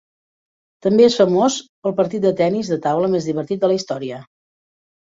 També és famós pel partit de tennis de taula més divertit de la història.